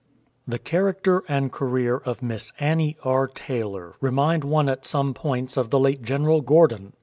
The character and career of Miss Annie R. Taylor re mind one at some points of the late General Gordon.